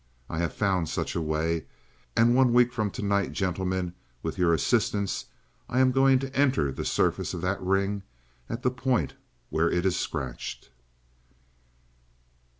I have found such a way and one week from to night, gentlemen, with your assistance, I am going to enter the surface of that ring at the point where it is scratched!"